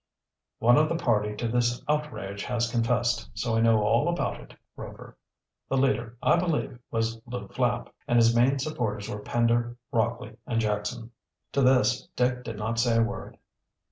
"One of the party to this outrage has confessed, so I know all about it, Rover. The leader, I believe, was Lew Flapp, and his main supporters were Pender, Rockley, and Jackson." To this Dick did not say a word.